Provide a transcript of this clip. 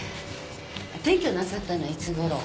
転居なさったのはいつごろ？